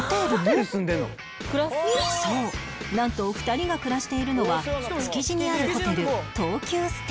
そうなんとお二人が暮らしているのは築地にあるホテル